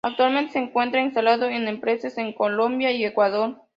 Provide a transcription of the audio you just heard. Actualmente se encuentra instalado en empresas en Colombia y Ecuador.